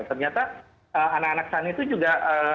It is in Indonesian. ternyata anak anak sani itu juga